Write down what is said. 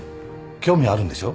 興味あるんでしょ？